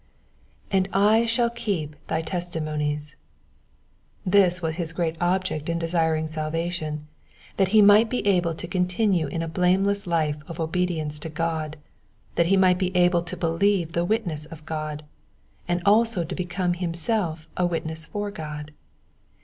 ''Arid I nhaU Iceep thy testimonies.^^ This was his great object in desiring salvation, that he might be able to continue in a blameless life of obedience to God, that he might Be able to believe the witness of God, and also to become himself a witness for God.